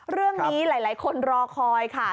เรื่องนี้หลายคนรอคอยค่ะ